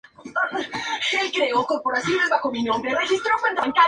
En algunos casos, una región exportadora eventualmente se convierte en un importador neto.